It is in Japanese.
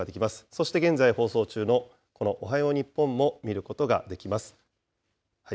そして現在放送中のこのおはよう日本も見ることができます。